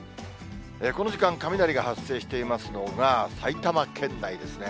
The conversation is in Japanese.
この時間、雷が発生していますのが埼玉県内ですね。